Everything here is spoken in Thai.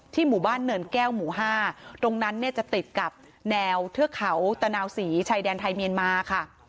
หมู่บ้านเนินแก้วหมู่๕ตรงนั้นเนี่ยจะติดกับแนวเทือกเขาตะนาวศรีชายแดนไทยเมียนมาค่ะ